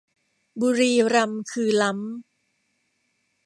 บุรีรัมย์คือล้ำ